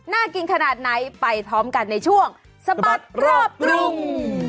น่ากินขนาดไหนไปพร้อมกันในช่วงสะบัดรอบกรุง